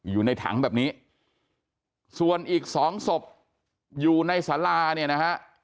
อยู่ในถังแบบนี้ส่วนอีกสองศพอยู่ในสาราเนี่ยนะฮะ